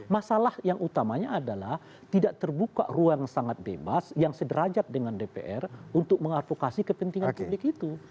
masalah yang utamanya adalah tidak terbuka ruang sangat bebas yang sederajat dengan dpr untuk mengadvokasi kepentingan publik itu